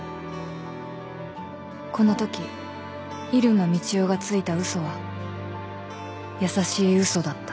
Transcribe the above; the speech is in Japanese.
［このとき入間みちおがついた嘘は優しい嘘だった］